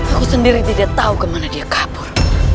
aku sendiri tidak tahu kemana dia kabur